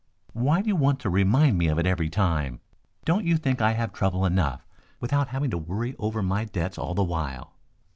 "Why do you want to remind me of it every time? Don't you think I have trouble enough without having to worry over my debts all the while?"